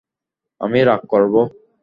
আমি রাগ করব!